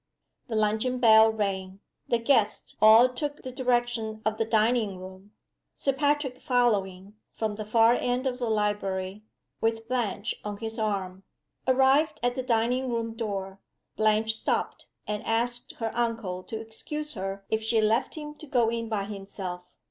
The luncheon bell rang. The guests all took the direction of the dining room; Sir Patrick following, from the far end of the library, with Blanche on his arm. Arrived at the dining room door, Blanche stopped, and asked her uncle to excuse her if she left him to go in by himself.